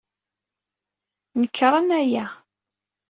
Nekṛen aya?